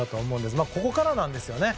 ただ、ここからなんですよね。